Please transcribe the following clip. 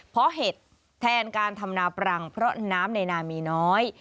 เพราะเห็ดแทนการทำนาปรังเพราะน้ำในนามีน้อย